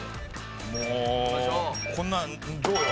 もうこんなどうよ？